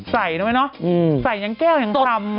ใส่ด้วยเนาะใส่ยังแก้วยังคลำอะ